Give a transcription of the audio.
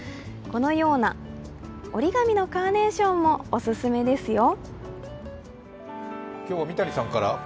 このような折り紙のカーネーションもオススメですよ。